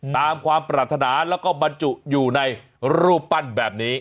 ตามความปรารถนาแล้วก็บรรจุอยู่ในรูปปั้นแบบนี้